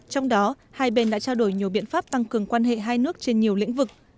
trong đó hai bên đã trao đổi nhiều biện pháp tăng cường quan hệ hai nước trên nhiều lĩnh vực